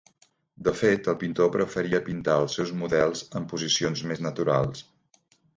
De fet, el pintor preferia pintar els seus models en posicions més naturals.